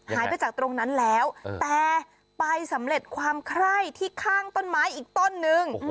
หายไปจากตรงนั้นแล้วแต่ไปสำเร็จความไคร้ที่ข้างต้นไม้อีกต้นนึง